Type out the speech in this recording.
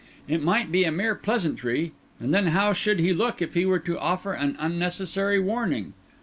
It might be a mere pleasantry, and then how should he look if he were to offer an unnecessary warning?